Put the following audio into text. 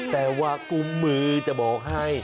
แต่ว่ากุมมือจะบอกให้